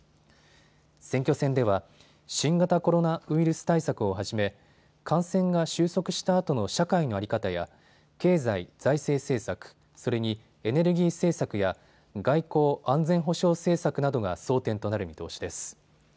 選挙戦では新型コロナウイルス対策をはじめ感染が収束したあとの社会の在り方や経済・財政政策、それにエネルギー政策や外交・安全保障政策などが争点となる見通しです。